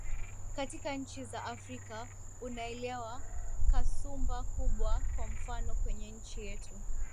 katika nchi za afrika unaelewa kasumba kubwa kwa mfano kwenye nchi yetu